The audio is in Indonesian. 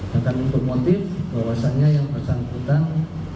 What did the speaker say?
tentang informatif bahwasannya yang pasang kutang